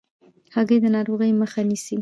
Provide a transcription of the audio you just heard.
هګۍ د ناروغیو مخه نیسي.